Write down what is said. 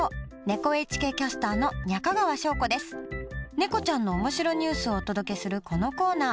ねこちゃんの面白ニュースをお届けするこのコーナー。